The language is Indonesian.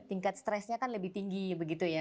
tingkat stresnya kan lebih tinggi begitu ya